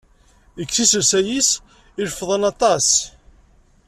Kkes iselsa-is, llufḍan aṭas.